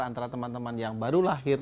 antara teman teman yang baru lahir